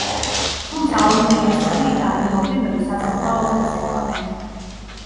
თუმცა, ოლივიეს თქმით, ადგილობრივები სასაფლაოზე ცეკვავენ.